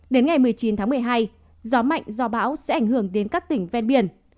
đến ngày một mươi chín tháng một mươi hai gió mạnh do bão sẽ ảnh hưởng đến các tỉnh ven biển